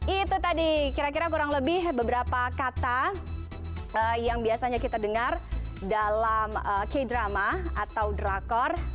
itu tadi kira kira kurang lebih beberapa kata yang biasanya kita dengar dalam k drama atau drakor